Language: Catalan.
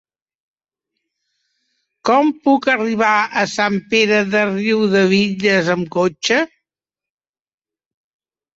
Com puc arribar a Sant Pere de Riudebitlles amb cotxe?